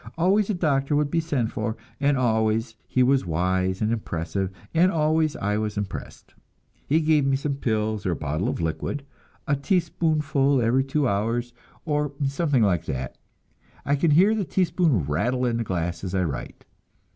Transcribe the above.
Always a doctor would be sent for, and always he was wise and impressive, and always I was impressed. He gave me some pills or a bottle of liquid, a teaspoonful every two hours, or something like that I can hear the teaspoon rattle in the glass as I write.